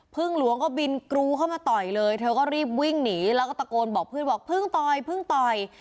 หลวงก็บินกรูเข้ามาต่อยเลยเธอก็รีบวิ่งหนีแล้วก็ตะโกนบอกเพื่อนบอกเพิ่งต่อยเพิ่งต่อย